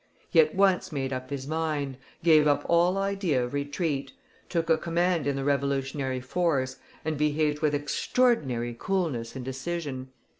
He at once made up his mind, gave up all idea of retreat, took a command in the revolutionary force, and behaved with extraordinary coolness and decision.